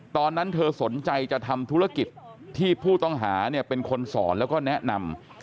ตอนนั้นเธอสนใจจะทำธุรกิจที่ผู้ต้องหาเป็นคนสอนแล้วก็แนะนำ